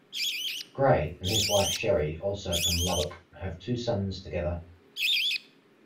Gray and his wife Sherry, also from Lubbock, have two sons together.